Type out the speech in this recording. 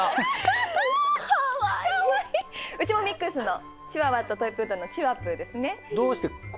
うちもミックスのチワワとトイプードルのチワプーですね。